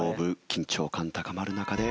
緊張感高まる中で。